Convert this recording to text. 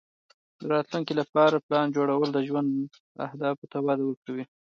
د راتلونکې لپاره پلان جوړول د ژوند اهدافو ته وده ورکوي.